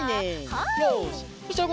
はい。